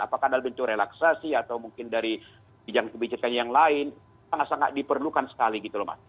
apakah dalam bentuk relaksasi atau mungkin dari kebijakan kebijakan yang lain sangat sangat diperlukan sekali gitu loh mas